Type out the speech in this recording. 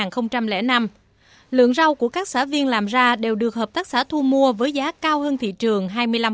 các sản xuất của các xã viên làm ra đều được hợp tác xã thu mua với giá cao hơn thị trường hai mươi năm